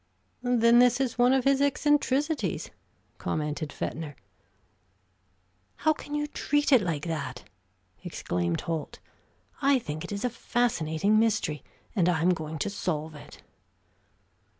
"Then this is one of his eccentricities," commented Fetner. "How can you treat it like that?" exclaimed Holt. "I think it is a fascinating mystery, and I'm going to solve it."